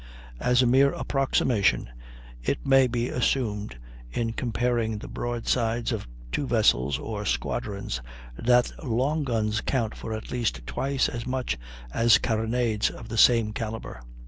As a mere approximation, it may be assumed, in comparing the broadsides of two vessels or squadrons, that long guns count for at least twice as much as carronades of the same calibre.